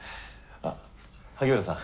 あっ萩原さん。